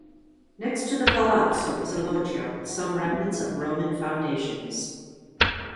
Next to the Palazzo is a loggia with some remnants of Roman foundations.